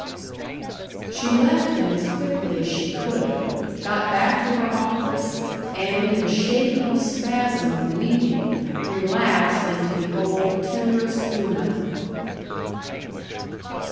She left him as quickly as she could, got back to her office, and in a shaking spasm of weeping relapsed into the old, timorous Una.